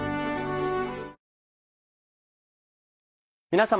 皆様。